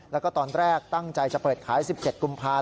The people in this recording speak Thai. แล้วก็ตอนแรกตั้งใจจะเปิดขาย๑๗กุมภาคม